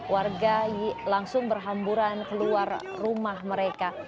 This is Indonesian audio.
warga langsung berhamburan keluar rumah mereka